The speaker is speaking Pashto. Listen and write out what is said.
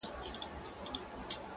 نیکه کیسه کوله-!